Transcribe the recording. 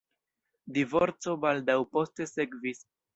Divorco baldaŭ poste sekvis.